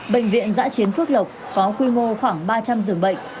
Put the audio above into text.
bệnh viện giã chiến phước lộc có quy mô khoảng ba trăm linh giường bệnh